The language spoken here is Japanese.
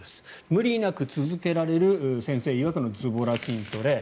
無理なく続けられる先生いわくのずぼら筋トレ。